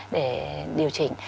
để điều chỉnh